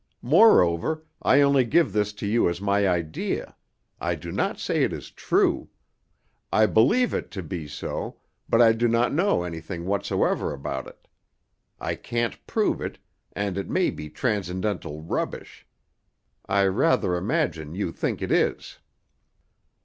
Moreover, I only give this to you as my idea. I do not say it is true; I believe it to be so, but I do not know anything whatsoever about it. I can't prove it, and it may be transcendental rubbish. I rather imagine you think it is."